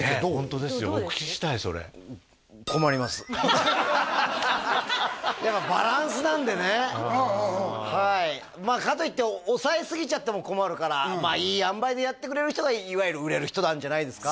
ホントですよお聞きしたいそれやっぱバランスなんでねはいかといっておさえすぎちゃっても困るからいいあんばいでやってくれる人がいわゆる売れる人なんじゃないですか？